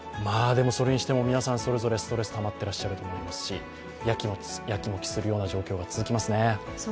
それにしても皆さん、それぞれストレスがたまっていらっしゃると思いますし、やきもきするような状況が続きますね。